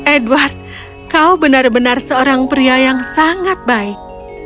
edward kau benar benar seorang pria yang sangat baik